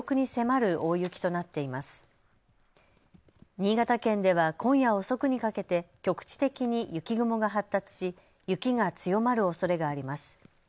新潟県では今夜遅くにかけて局地的に雪雲が発達し雪が強まるおそれがあります。